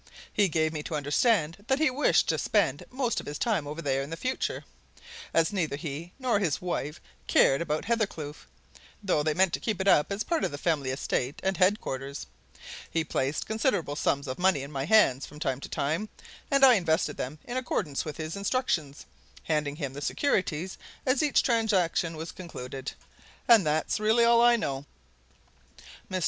He gave me to understand that he wished to spend most of his time over there in future, as neither he nor his wife cared about Hathercleugh, though they meant to keep it up as the family estate and headquarters. He placed considerable sums of money in my hands from time to time, and I invested them in accordance with his instructions, handing him the securities as each transaction was concluded. And that's really all I know." Mr.